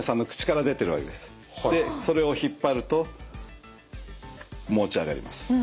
でそれを引っ張ると持ち上がります。